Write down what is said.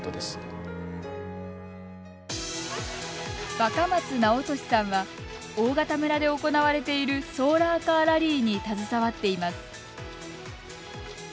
若松尚利さんは大潟村で行われているソーラーカーラリーに携わっています。